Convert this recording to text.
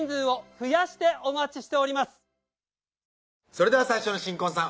それでは最初の新婚さん